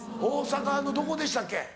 大阪のどこでしたっけ？